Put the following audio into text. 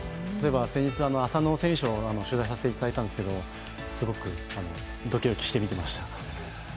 先日、浅野選手を取材させていただいたんですけどすごくドキドキして見ていました。